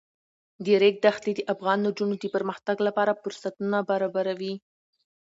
د ریګ دښتې د افغان نجونو د پرمختګ لپاره فرصتونه برابروي.